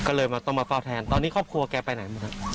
ก็เลยต้องมาเฝ้าแทนตอนนี้ครอบครัวแกไปไหนมาครับ